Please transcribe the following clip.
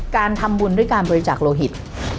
การทำบุญด้วยการบริจาคโลหิต